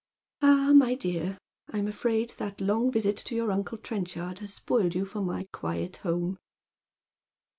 " Ah, my dear, I'm afraid that long visit to your uncle Tren chard has spoiled you for my quiet home."